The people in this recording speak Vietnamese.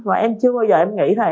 và em chưa bao giờ em nghĩ thôi